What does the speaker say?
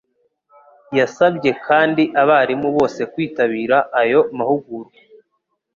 Yasabye kandi abarimu bose kwitabira ayo mahugurwa,